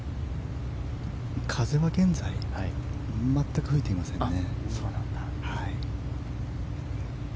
風は現在全く吹いていませんね。